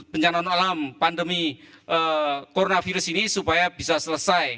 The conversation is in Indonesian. bencana non alam pandemi coronavirus ini supaya bisa selesai